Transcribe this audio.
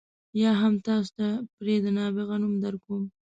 یا هم تاسو ته پرې د نابغه نوم درکوي.